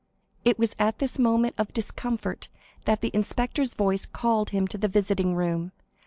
It was at this moment of discomfort that the inspector's voice called him to the visiting room.